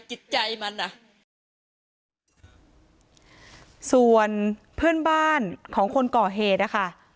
จิตใจมันอ่ะส่วนเพื่อนบ้านของคนก่อเหตุนะคะ